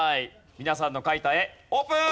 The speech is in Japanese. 皆さんの描いた絵オープン！